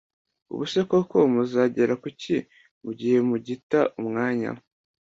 ubu se koko muzagera kuki migihe mugita uumwanya